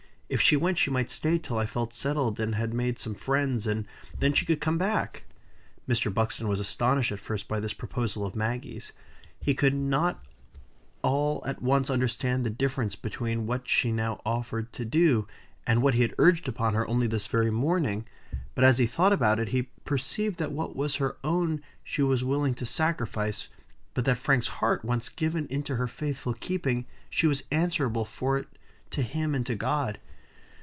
If she went, she might stay till I felt settled, and had made some friends, and then she could come back." Mr. Buxton was astonished at first by this proposal of Maggie's. He could not all at once understand the difference between what she now offered to do, and what he had urged upon her only this very morning. But as he thought about it, he perceived that what was her own she was willing to sacrifice; but that Frank's heart, once given into her faithful keeping, she was answerable for it to him and to God.